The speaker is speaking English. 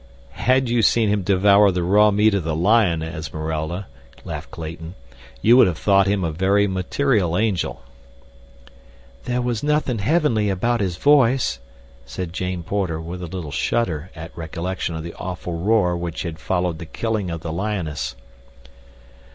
"Had you seen him devour the raw meat of the lion, Esmeralda," laughed Clayton, "you would have thought him a very material angel." "There was nothing heavenly about his voice," said Jane Porter, with a little shudder at recollection of the awful roar which had followed the killing of the lioness.